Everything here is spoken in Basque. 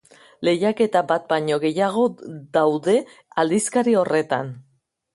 Lehiaketa bat baino gehiago daude aldizkari horretan.